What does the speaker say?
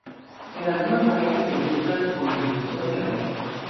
En algunos países se mezclan con requesón y arroz.